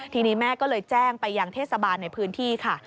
ทีนี้แม่ก็เลยแจ้งไปยังเทศบาลในพื้นที่ค่ะ